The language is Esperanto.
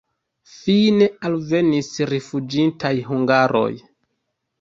Fine alvenis rifuĝintaj hungaroj.